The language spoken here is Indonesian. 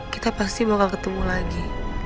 kita pasti bakal ketemu lagi